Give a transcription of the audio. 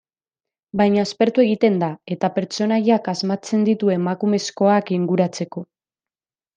Baina aspertu egiten da, eta pertsonaiak asmatzen ditu emakumezkoak inguratzeko.